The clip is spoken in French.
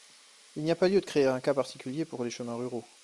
Il n’y a pas lieu de créer un cas particulier pour les chemins ruraux.